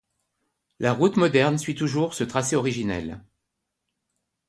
La route moderne suit toujours ce tracé originel.